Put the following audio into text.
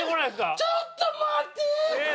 ちょっと待って。